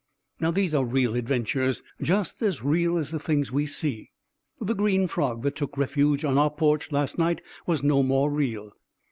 These are real adventures, just as real as the things we see. The green frog that took refuge on our porch last night was no more real.